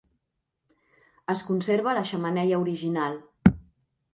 Es conserva la xemeneia original.